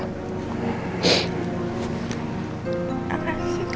terima kasih pak